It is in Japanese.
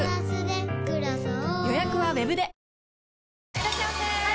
いらっしゃいませ！